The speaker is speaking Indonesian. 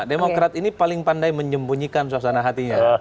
demokrat ini paling pandai menyembunyikan suasana hatinya